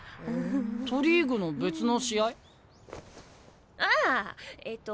都リーグの別の試合？ああえっと